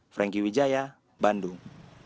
franky widjaya bandung